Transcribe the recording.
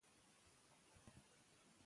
پر تعلیم ټینګار د پرمختګ لامل ګرځي.